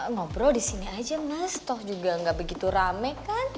ngobrol disini aja mas toh juga gak begitu rame kan